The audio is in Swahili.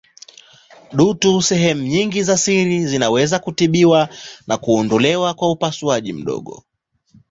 Dutu za sehemu za siri zinaweza kutibiwa na kuondolewa kwa upasuaji mdogo.